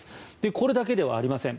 これだけではありません。